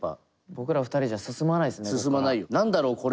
僕ら２人じゃ進まないですねこっから。